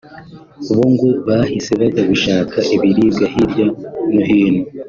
bo ngo bahise bajya gushaka ibiribwa hirya no hino